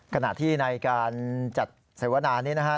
ขณะที่ในการจัดเสวนานี้นะฮะ